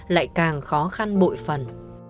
lại càng khó khăn bội phần